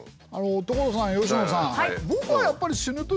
所さん佳乃さん。